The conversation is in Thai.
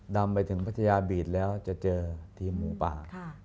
นำไปถึงพัทยาบีดแล้วจะเจอทีมหมูป่า